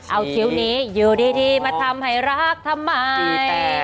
เอาคิ้วนี้อยู่ดีมาทำให้รักทำไม